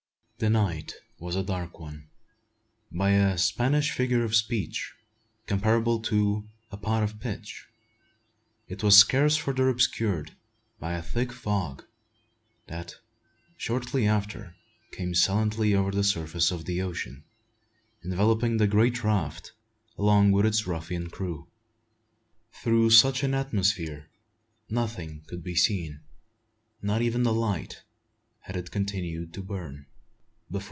The night was a dark one; by a Spanish figure of speech, comparable to a "pot of pitch." It was scarce further obscured by a thick fog that shortly after came silently over the surface of the ocean, enveloping the great raft along with its ruffian crew. Through such an atmosphere nothing could be seen, not even the light, had it continued to burn.